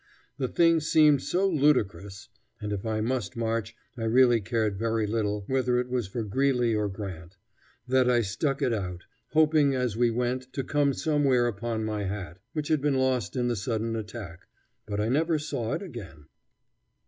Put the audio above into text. The thing seemed so ludicrous (and if I must march I really cared very little whether it was for Greeley or Grant) that I stuck it out, hoping as we went to come somewhere upon my hat, which had been lost in the sudden attack; but I never saw it again.